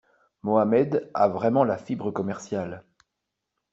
Mohamed a vraiment la fibre commerciale.